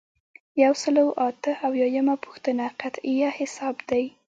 یو سل او اته اویایمه پوښتنه قطعیه حساب دی.